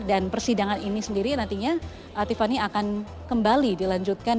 dan persidangan ini sendiri nantinya tiffany akan kembali dilanjutkan